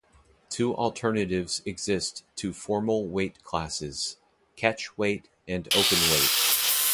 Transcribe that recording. Two alternatives exist to formal weight classes: catch weight and openweight.